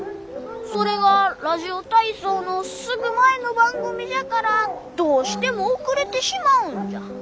それがラジオ体操のすぐ前の番組じゃからどうしても遅れてしまうんじゃ。